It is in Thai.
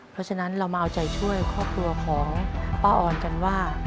เพราะฉะนั้นเรามาเอาใจช่วยครอบครัวของป้าออนกันว่า